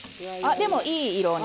でもいい色に。